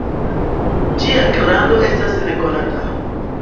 Ĝia grando estas nekonata.